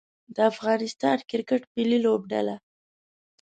د افغانستان کرکټ ملي لوبډله